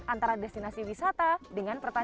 antara destinasi wisata dengan pertanian